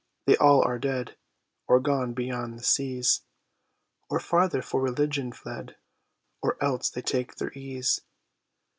they all are dead, Or gone beyond the seas; Or farther for religion fled, Or else they take their ease.